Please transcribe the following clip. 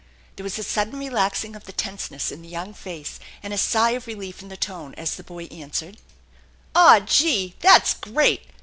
There was a sudden relaxing of the tenseness in the young face and a sigh of relief in the tone as the boy answered : "Aw, gee ! That's great